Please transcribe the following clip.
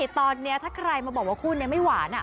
ตอนนี้ถ้าใครมาบอกว่าคู่นี้ไม่หวาน